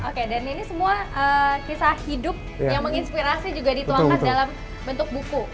oke dan ini semua kisah hidup yang menginspirasi juga dituangkan dalam bentuk buku